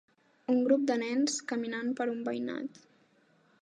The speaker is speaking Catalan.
Un grup de nens caminant per un veïnat.